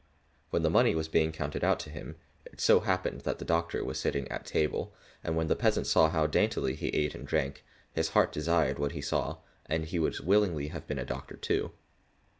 When the money was being counted out to him, it so happened that the doctor was sitting at table, and when the peasant saw how daintily he ate and drank, his heart desired what he saw, and he would willingly have been a doctor too.